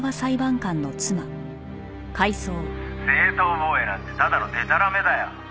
「正当防衛なんてただのでたらめだよ」